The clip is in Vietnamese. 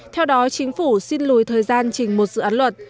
theo đó chính phủ xin lùi thời gian chỉnh một dự án luật